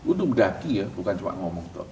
untuk mendaki ya bukan cuma ngomong ngomong